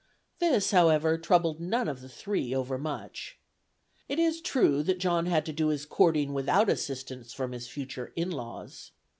This, however, troubled none of the three overmuch. It is true that John had to do his courting without assistance from his future "in laws."